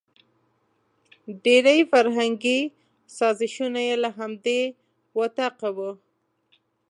ډېري فرهنګي سازشونه یې له همدې وطاقه وو.